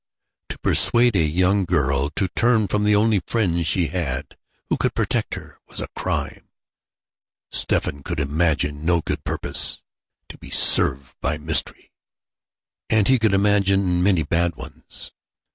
To persuade a young girl to turn from the only friends she had who could protect her, was a crime. Stephen could imagine no good purpose to be served by mystery, and he could imagine many bad ones.